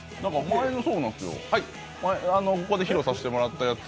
前、ここで披露してもらったやつ